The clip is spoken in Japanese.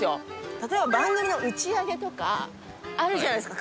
例えば番組の打ち上げとかあるじゃないですか？